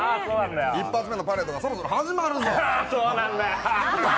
１発目のパレードがそろそろ始まるぜ。